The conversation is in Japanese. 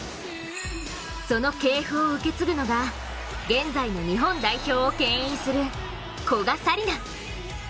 その系譜を受け継ぐのが現在の日本代表をけん引する古賀紗理那。